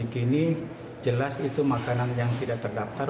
kini jelas itu makanan yang tidak terdaftar